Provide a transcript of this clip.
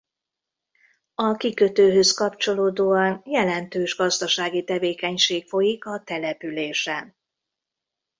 A kikötőhöz kapcsolódóan jelentős gazdasági tevékenység folyik a településen.